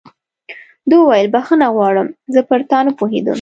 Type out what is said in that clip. ده وویل: بخښنه غواړم، زه پر تا نه پوهېدم.